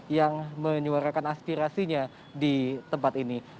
yang menyuarakan aspirasinya di tempat ini